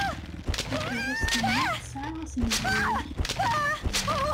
Takeṛṛust-nneɣ tesɛa asnezway.